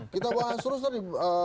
kita bahas terus tadi